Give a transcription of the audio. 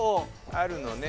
あるのね。